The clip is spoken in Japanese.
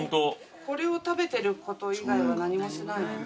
これを食べてること以外は何もしてないので。